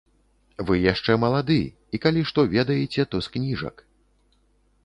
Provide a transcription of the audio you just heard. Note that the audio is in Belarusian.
Вы яшчэ малады, і калі што ведаеце, то з кніжак.